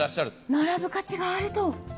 並ぶ価値があると。